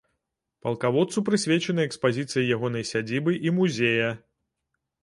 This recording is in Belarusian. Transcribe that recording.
Палкаводцу прысвечаны экспазіцыі ягонай сядзібы і музея.